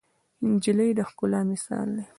نجلۍ د ښکلا مثال ده.